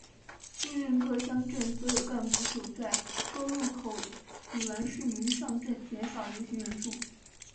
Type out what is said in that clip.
命令各乡镇所有干部守在各路口阻拦市民上镇减少游行人数。